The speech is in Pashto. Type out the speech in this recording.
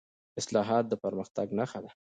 اصلاحات د پرمختګ نښه ده